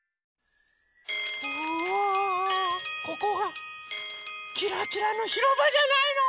あここがキラキラのひろばじゃないの！